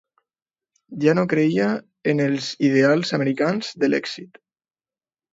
Ja no creia en els ideals americans de l'èxit.